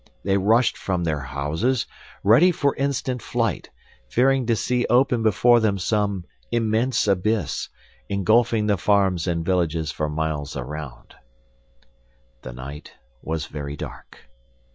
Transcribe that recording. They rushed from their houses, ready for instant flight, fearing to see open before them some immense abyss, engulfing the farms and villages for miles around. The night was very dark.